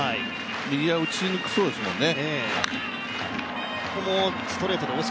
右は打ちにくそうですもんね。